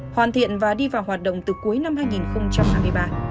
hoàn thiện và đi vào hoạt động từ cuối năm hai nghìn hai mươi ba